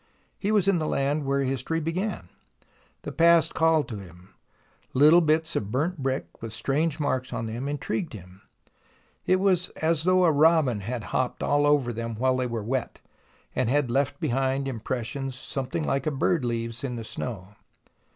He was in the land where history began. The past called to him. Little bits of burnt brick with strange marks on them intrigued him. It was as though a robin had hopped all over them while they were wet, and had left behind impres sions something like a bird leaves in the snow.